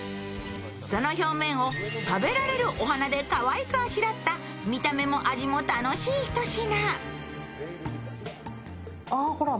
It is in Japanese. その表面を食べられるお花でかわいくあしらった見た目も味も楽しいひと品。